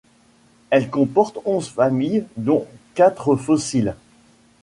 Elle comporte onze familles dont quatre fossiles.